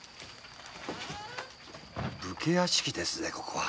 武家屋敷ですぜここは。